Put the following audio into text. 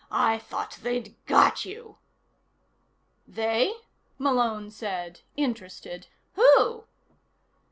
I thought they'd got you." "They?" Malone said, interested. "Who?"